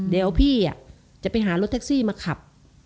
เดี๋ยวพี่จะไปหารถแท็กซี่มาขับ